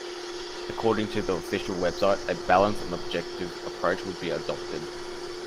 According to the official website, a balanced and objective approach would be adopted.